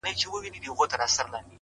o څلوېښتم کال دی ـ